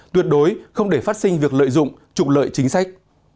tuyệt đối không để phát sinh việc lợi dụng trục lợi chính sách